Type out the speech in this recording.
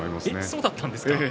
そうだったんですか？